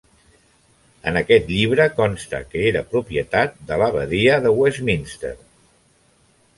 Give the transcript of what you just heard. En aquest llibre consta que era propietat de l'abadia de Westminster.